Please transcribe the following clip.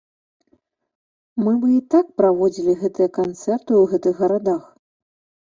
Мы бы і так праводзілі гэтыя канцэрты ў гэтых гарадах!